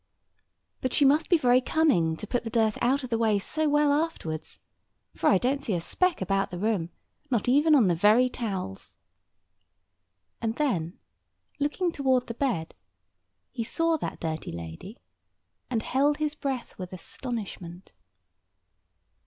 But she must be very cunning to put the dirt out of the way so well afterwards, for I don't see a speck about the room, not even on the very towels." And then, looking toward the bed, he saw that dirty lady, and held his breath with astonishment.